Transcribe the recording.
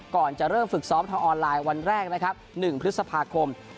ก่อนจะเริ่มฝึกซ้อมทางออนไลน์วันแรกนะครับ๑พฤษภาคม